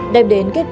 đẹp đẹp đẹp